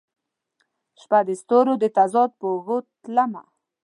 شپه د ستورو د تضاد په اوږو تلمه